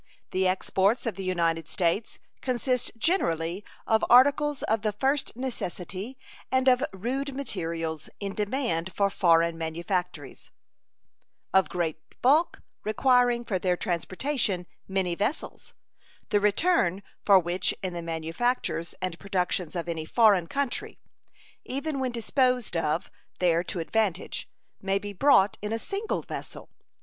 The exports of the United States consist generally of articles of the first necessity and of rude materials in demand for foreign manufactories, of great bulk, requiring for their transportation many vessels, the return for which in the manufactures and productions of any foreign country, even when disposed of there to advantage, may be brought in a single vessel.